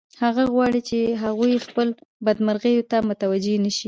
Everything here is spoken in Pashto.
هغه غواړي چې هغوی خپلو بدمرغیو ته متوجه نشي